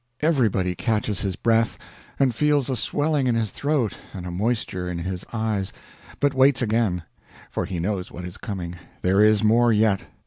Everybody catches his breath, and feels a swelling in his throat and a moisture in his eyes but waits again; for he knows what is coming; there is more yet.